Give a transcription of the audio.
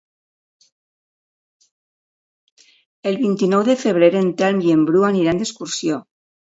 El vint-i-nou de febrer en Telm i en Bru aniran d'excursió.